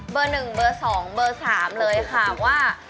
๑เบอร์๒เบอร์๓เลยค่ะว่า